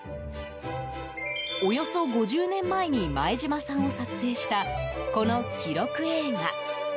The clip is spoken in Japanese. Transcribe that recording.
およそ５０年前に前島さんを撮影した、この記録映画。